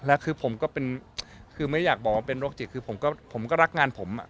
แล้วคือผมก็เป็นคือไม่อยากบอกว่าเป็นโรคจิตคือผมก็รักงานผม